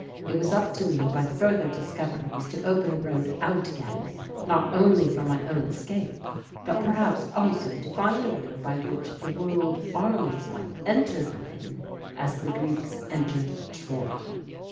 It was up to me by further discoveries to open a road out again, not only for my own escape, but perhaps also to find a way by which the World Armies might enter Berlin as the Greeks entered Troy.